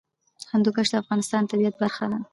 هندوکش د افغانستان د طبیعت برخه ده.